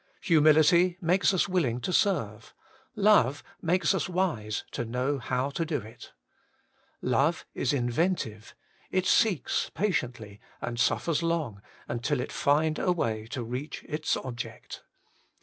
Humility makes us willing to serve ; love makes us wise to know how to do it. Love is inven tive ; it seeks patiently, and suffers long, until it find a way to reach its object.